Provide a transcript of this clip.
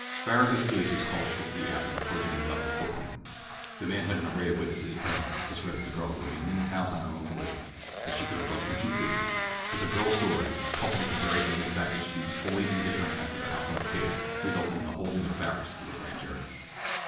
Farris's case was called shortly after the clergyman left the court room. The man had an array of witnesses present to swear that the girl had remained in his house of her own volition—that she could have left when she pleased; but the girl's story, coupled with the very evident fact that she was wholly indifferent as to the outcome of the case, resulted in the holding of Farris to the grand jury.